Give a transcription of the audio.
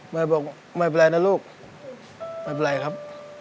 บอกไม่เป็นไรนะลูกไม่เป็นไรครับ